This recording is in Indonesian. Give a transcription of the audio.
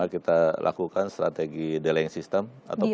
kita lakukan strategi deling system